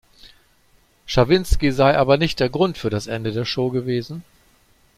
Schawinski sei aber nicht der Grund für das Ende der Show gewesen.